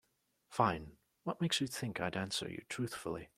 Fine, what makes you think I'd answer you truthfully?